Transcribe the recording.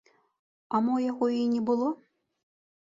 А мо яго і не было?